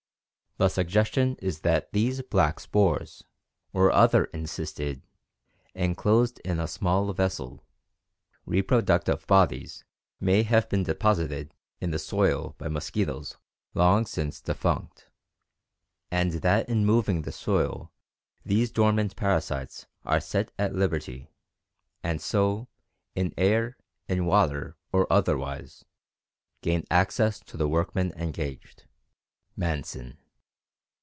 The suggestion is that these "black spores" or other incysted [enclosed in a small vessel] reproductive bodies may have been deposited in the soil by mosquitoes long since defunct, "and that in moving the soil these dormant parasites are set at liberty, and so, in air, in water or otherwise, gain access to the workmen engaged" (Manson).